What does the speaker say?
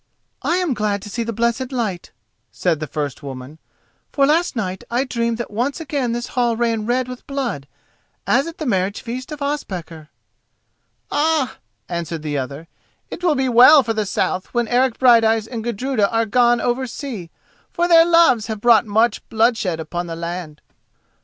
"I am glad to see the blessed light," said the first woman, "for last night I dreamed that once again this hall ran red with blood, as at the marriage feast of Ospakar." "Ah," answered the other, "it will be well for the south when Eric Brighteyes and Gudruda are gone over sea, for their loves have brought much bloodshed upon the land."